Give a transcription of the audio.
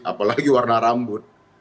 apalagi warna rambut